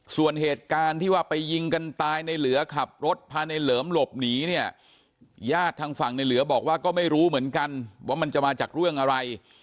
ส่วนเหตุการณ์ที่ว่าไปยิงกันตายในเหลือขับรถพาในเหลิมหลบหนีเนี่ยญาติทางฝั่งในเหลือบอกว่าก็ไม่รู้เหมือนกันว่ามันจะมาจากเรื่องอะไร